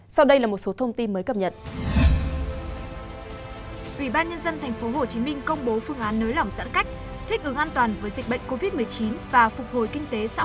sau đây là một số thông tin mới cập nhật